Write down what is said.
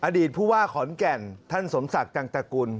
อดีตผู้ว่าขอนแก่นท่านสมศักดิ์จังตกุล